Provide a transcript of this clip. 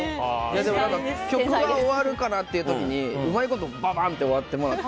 でも曲が終わるかなっていう時にうまいこと、ババン！って終わってもらって。